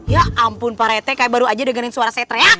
ya ampun pak rete kayak baru aja dengerin suara saya teriak